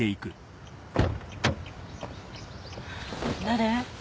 誰？